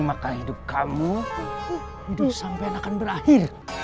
maka hidup kamu hidup sampean akan berakhir